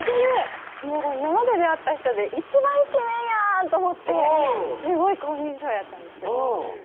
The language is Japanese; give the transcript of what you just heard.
今まで出会った人で一番イケメンやん！と思ってすごい好印象やったんですうん